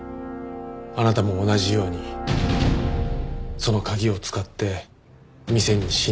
あなたも同じようにその鍵を使って店に侵入した。